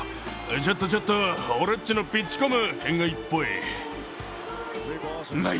ちょっとちょっと、俺っちのピッチコム、圏外っぽい。